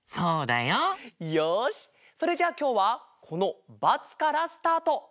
よしそれじゃあきょうはこの「バツ」からスタート。